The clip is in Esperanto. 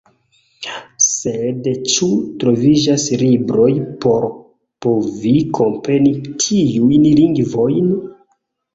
Sed ĉu troviĝas libroj por povi kompreni tiujn lingvojn?